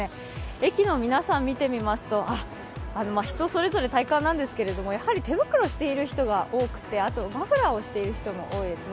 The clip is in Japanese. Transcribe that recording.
駅の皆さんを見てみますと、人それぞれ体感なんですけれども、やはり手袋をしている人が多くてあとマフラーをしている人が多いですね。